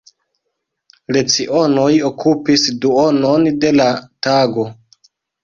Lecionoj okupis duonon de la tago.